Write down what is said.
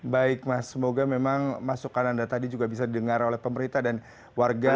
baik mas semoga memang masukan anda tadi juga bisa didengar oleh pemerintah dan warga